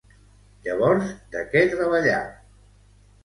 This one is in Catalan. Llavors, de què treballà?